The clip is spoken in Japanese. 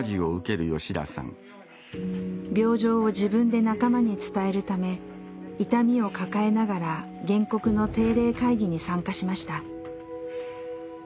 病状を自分で仲間に伝えるため痛みを抱えながら原告の定例会議に参加しました。